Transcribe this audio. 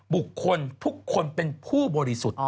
บุคคลทุกคนเป็นผู้บริสุทธิ์